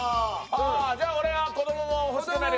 じゃあ俺は子供も欲しくなる。